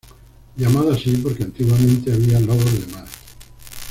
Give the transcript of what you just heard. Llamado así porque antiguamente había lobos de mar.